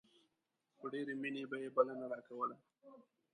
په ډېرې مينې به يې بلنه راکوله.